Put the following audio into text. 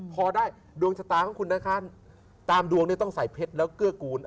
พอได้ดวงชะตาของคุณนะคะตามดวงเนี่ยต้องใส่เพชรแล้วเกื้อกูล